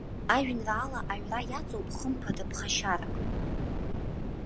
Ажәеинраала аҩра иаҵоуп, хымԥада, ԥхашьарак.